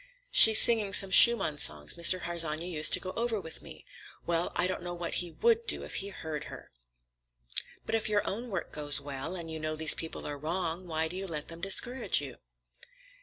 She's singing some Schumann songs Mr. Harsanyi used to go over with me. Well, I don't know what he would do if he heard her." "But if your own work goes well, and you know these people are wrong, why do you let them discourage you?"